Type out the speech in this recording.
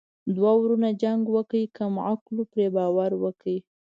ـ دوه ورونو جنګ وکړو کم عقلو پري باور وکړو.